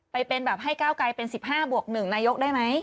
ไปเป็นแบบให้ก้าวไกลเป็น๑๕บวก๑นายกได้ไหม